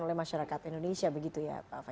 oleh masyarakat indonesia begitu ya pak fah